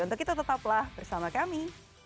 untuk itu tetaplah bersama kami